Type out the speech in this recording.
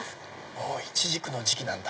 もうイチジクの時期なんだ。